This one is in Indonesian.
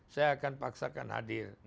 saya akan paksakan hadir